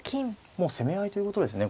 もう攻め合いということですね